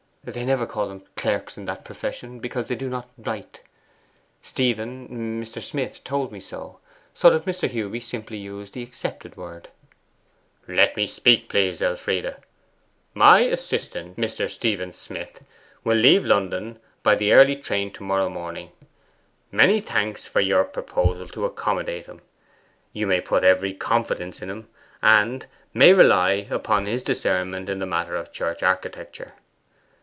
'They never call them clerks in that profession, because they do not write. Stephen Mr. Smith told me so. So that Mr. Hewby simply used the accepted word.' 'Let me speak, please, Elfride! My assistant, Mr. Stephen Smith, will leave London by the early train to morrow morning...MANY THANKS FOR YOUR PROPOSAL TO ACCOMMODATE HIM...YOU MAY PUT EVERY CONFIDENCE IN HIM, and may rely upon his discernment in the matter of church architecture."